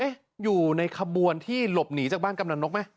อยู่ในขบวนที่หลบหนีจากบ้านกำลังนกไหม